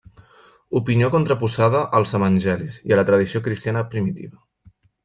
Opinió contraposada als Evangelis i a la tradició cristiana primitiva.